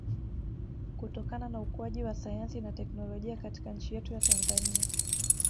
kutokana na ukuaji wa sayansi na technolojia katika nchi yetu ya Tanzania